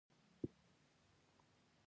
تاریخ موږ ته څه درس راکوي؟